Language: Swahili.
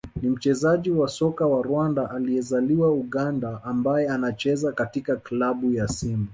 ni mchezaji wa soka wa Rwanda aliyezaliwa Uganda ambaye anacheza katika klabu ya Simba